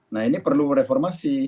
nah ini perlu reformasi